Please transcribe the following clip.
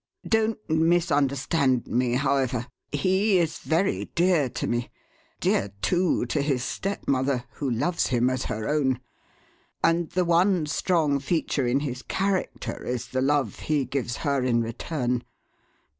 "Don't misunderstand me, however. He is very dear to me dear, too, to his stepmother, who loves him as her own, and the one strong feature in his character is the love he gives her in return.